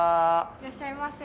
いらっしゃいませ。